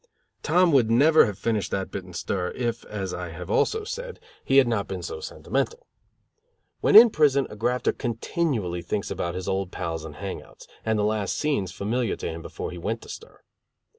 Tom would never have finished that bit in stir, if, as I have also said, he had not been so sentimental. When in prison a grafter continually thinks about his old pals and hang outs, and the last scenes familiar to him before he went to stir.